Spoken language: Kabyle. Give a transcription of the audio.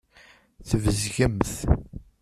Tbezgemt.